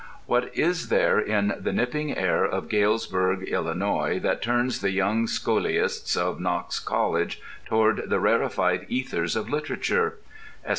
What is there in the nipping air of Galesburg, Illinois, that turns the young sciolists of Knox College toward the rarefied ethers of literature?